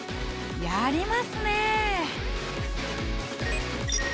やりますね。